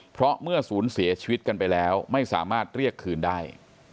เพราะเมื่อศูนย์เสียชีวิตกันไปแล้วไม่สามารถเรียกคืนได้